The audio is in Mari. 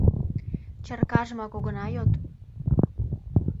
— Чаркажымак огына йод.